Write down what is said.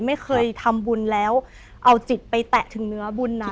ไม่เคยทำบุญแล้วเอาจิตไปแตะถึงเนื้อบุญนะ